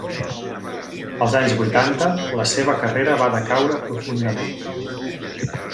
Als anys vuitanta la seva carrera va decaure profundament.